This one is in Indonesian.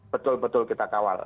betul betul kita kawal